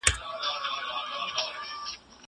هغه وويل چي کتابتون ارام ځای دی!